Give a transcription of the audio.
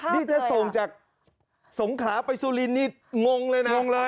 นี่จะส่งจากสงขาไปสุรินิงงเลยนะ